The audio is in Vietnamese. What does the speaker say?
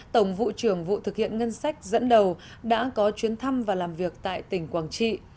tổng vụ trưởng vụ thực hiện ngân sách dẫn đầu đã có chuyến thăm và làm việc tại tỉnh quảng trị